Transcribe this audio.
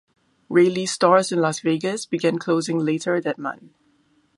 Raley's stores in Las Vegas began closing later that month.